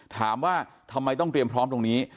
ถามว่าทำไมต้องเตรียมพร้อมตรงนี้